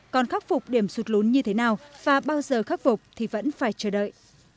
còn khắc phục điểm sụt lún như thế nào và bao giờ khắc phục thì vẫn phải chờ đợi